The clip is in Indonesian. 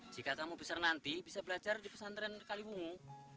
jika tamu besar nanti bisa belajar di pesantren kaliwungu